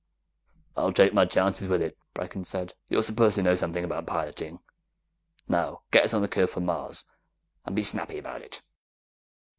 "I'll take my chances with it," said Brecken. "You're supposed to know something about piloting. Now get us on a curve for Mars, an' be snappy about it!"